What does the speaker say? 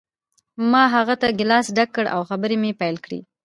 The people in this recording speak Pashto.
ما هغه ته ګیلاس ډک کړ او خبرې مې پیل کړې